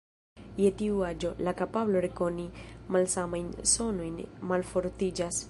Je tiu aĝo, la kapablo rekoni malsamajn sonojn malfortiĝas.